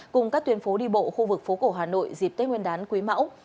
cùng các tuyến phố đi bộ khu vực phố cổ hà nội dịp tết nguyên đán quý mão